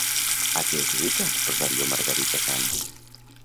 A què es dedica Rosario Margarita Sanz?